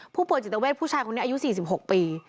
ผู้ป่วยจิตเวทผู้ชายคนนี้อายุ๔๖ปี